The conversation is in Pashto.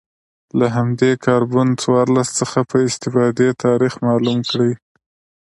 له همدې کاربن څوارلس څخه په استفادې تاریخ معلوم کړي